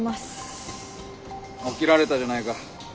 起きられたじゃないか。